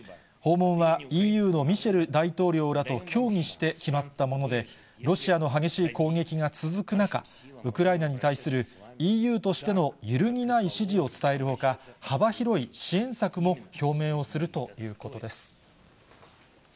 訪問はＥＵのミシェル大統領らと協議して決まったもので、ロシアの激しい攻撃が続く中、ウクライナに対するＥＵとしての揺るぎない支持を伝えるほか、幅広い支援策も表明するということです。